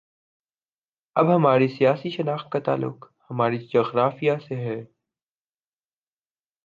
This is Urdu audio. اب ہماری سیاسی شناخت کا تعلق ہمارے جغرافیے سے ہے۔